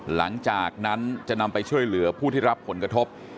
หลังจากนั้นจะนำไปช่วยเหลือผู้ที่รับผลกระทบ